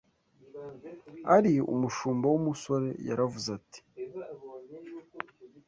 ari umushumba w’umusore! Yaravuze ati